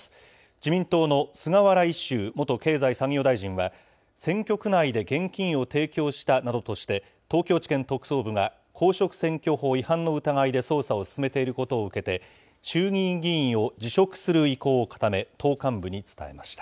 自民党の菅原一秀元経済産業大臣は、選挙区内で現金を提供したなどとして、東京地検特捜部が公職選挙法違反の疑いで捜査を進めていることを受けて、衆議院議員を辞職する意向を固め、党幹部に伝えました。